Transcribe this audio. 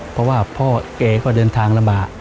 เพราะว่าพ่อแกก็เดินทางลำบาก